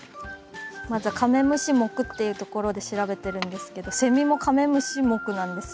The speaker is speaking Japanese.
まずカメムシ目っていう所で調べてるんですけどセミもカメムシ目なんですよ。